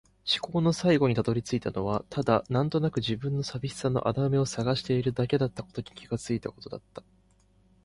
思考の最後に辿り着いたのはただ、なんとなくの自分の寂しさの穴埋めを探しているだけだったことに気がついたことだった。